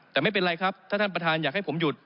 แต่ไม่เป็นไรครับถ้าท่านประธานอยากให้ผมหยุด